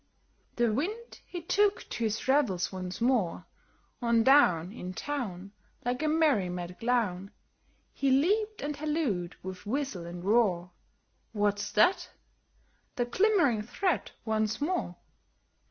The Wind, he took to his revels once more; On down In town, Like a merry mad clown, He leaped and hallooed with whistle and roar, "What's that?" The glimmering thread once more!